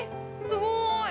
すごい！